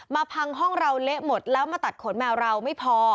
พังห้องเราเละหมดแล้วมาตัดขนแมวเราไม่พอ